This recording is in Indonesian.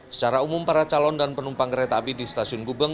secara umum para calon dan penumpang kereta api di stasiun gubeng